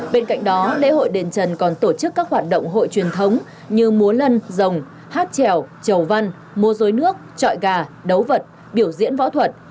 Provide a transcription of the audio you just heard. bên cạnh đó lễ hội đền trần còn tổ chức các hoạt động hội truyền thống như múa lân rồng hát trèo chầu văn múa dối nước trọi gà đấu vật biểu diễn võ thuật